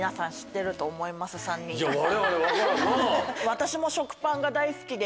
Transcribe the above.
私も。